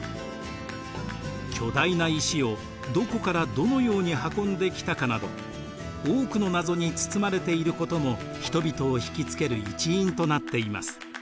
巨大な石をどこからどのように運んできたかなど多くの謎に包まれていることも人々を引きつける一因となっています。